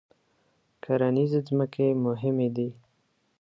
کرنیزې ځمکې مهمې دي.